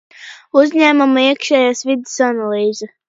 Uzņēmuma iekšējās vides analīze.